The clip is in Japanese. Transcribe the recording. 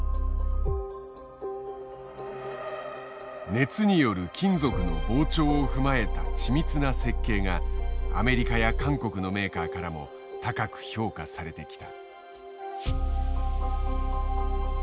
熱による金属の膨張を踏まえた緻密な設計がアメリカや韓国のメーカーからも高く評価されてきた。